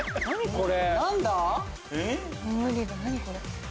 これ。